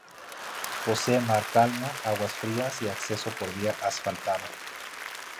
Posee mar calmo, aguas frías y acceso por vía asfaltada.